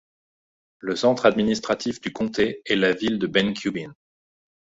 Le centre administratif du comté est la ville de Bencubbin.